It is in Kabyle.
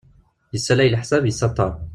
Yessalay leḥsab yessattar.